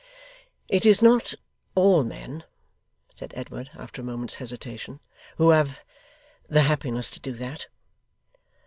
'It is not all men,' said Edward, after a moment's hesitation, 'who have the happiness to do that.